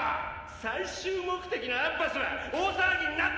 最終目的のアッバスは大騒ぎになってんだからよ！！